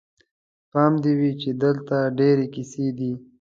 پام دې وي چې دلته ډېرې کیسې دي.